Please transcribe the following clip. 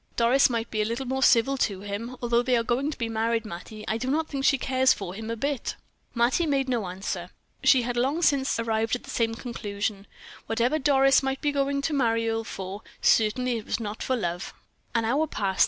"Doris might be a little more civil to him. Although they are going to be married, Mattie, I do not think she cares for him a bit." Mattie made no answer. She had long since arrived at the same conclusion. Whatever Doris might be going to marry Earle for, it certainly was not for love. An hour passed.